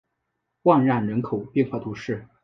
万让人口变化图示